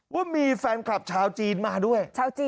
ว่ามีแฟนคลับชาวจีนมาด้วยชาวจีน